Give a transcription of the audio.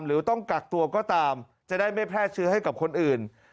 หรือต้องกักตัวก็ตามจะได้ไม่แพร่เชื้อให้กับคนอื่น